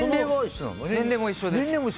年齢も一緒です。